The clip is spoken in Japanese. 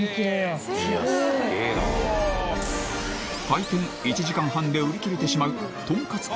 開店１時間半で売り切れてしまうとんかつ